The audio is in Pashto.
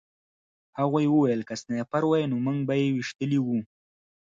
هغوی وویل که سنایپر وای نو موږ به یې ویشتلي وو